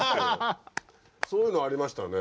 そういうのありましたね。